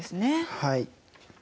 はい。